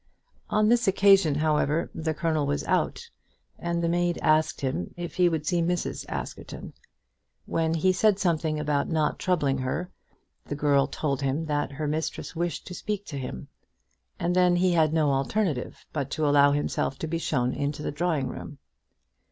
On this occasion, however, the Colonel was out, and the maid asked him if he would see Mrs. Askerton. When he said something about not troubling her, the girl told him that her mistress wished to speak to him, and then he had no alternative but to allow himself to be shown into the drawing room.